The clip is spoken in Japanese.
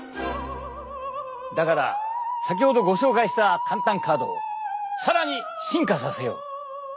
だから先ほどご紹介したかん・たんカードを更に進化させよう！